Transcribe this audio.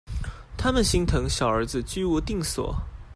他們心疼小兒子居無定所